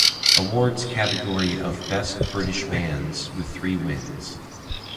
Awards" category of "Best British Band" with three wins.